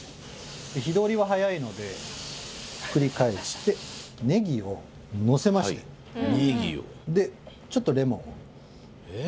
火通りは早いのでひっくり返してネギをのせましてでちょっとレモンを。